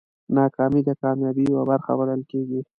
ناکامي د کامیابۍ یوه برخه بلل کېږي.